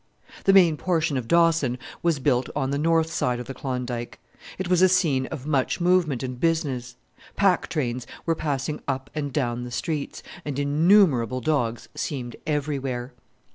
The main portion of Dawson was built on the north side of the Klondike. It was a scene of much movement and business. Pack trains were passing up and down the streets, and innumerable dogs seemed everywhere.